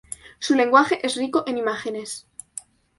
Su lenguaje es rico en imágenes.